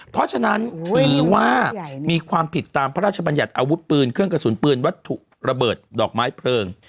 เพราะฉะนั้นถือว่ามีความผิดตามพระราชบัญญัติอาวุธปืนเครื่องกระสุนปืนวัตถุระเบิดดอกไม้เพลิง